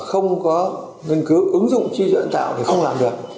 không có nghiên cứu ứng dụng trí tuệ nhân tạo thì không làm được